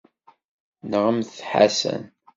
Nɣemt Ḥasan.